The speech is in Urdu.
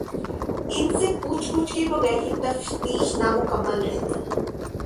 ان سے پوچھ گچھ کے بغیر یہ تفتیش نامکمل رہتی۔